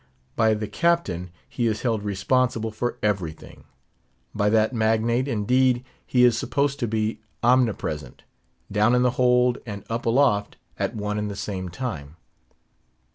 By the captain he is held responsible for everything; by that magnate, indeed, he is supposed to be omnipresent; down in the hold, and up aloft, at one and the same time.